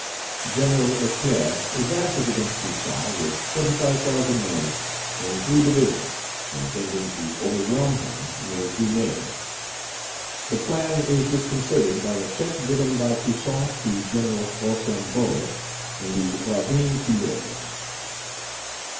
General Leclerc advances against Toussaint with 25,000 men in three divisions, intending to overwhelm him near Gonaïves The plan is disconcerted by a check given by Toussaint to General Rochambeau in the Ravine Couleuvre.